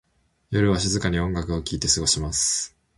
夜は静かに音楽を聴いて過ごします。